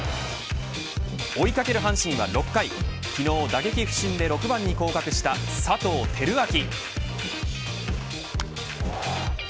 追い掛ける阪神は、６回昨日、打撃不振で６番に降格した佐藤輝明。